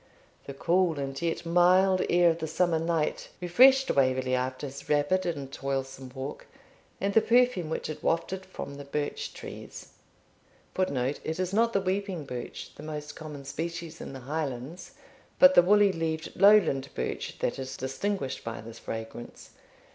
The cool and yet mild air of the summer night refreshed Waverley after his rapid and toilsome walk; and the perfume which it wafted from the birch trees, [Footnote: It is not the weeping birch, the most common species in the Highlands, but the woolly leaved Lowland birch, that is distinguished by this fragrance.